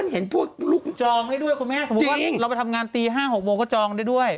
นิวสองได้ด้วย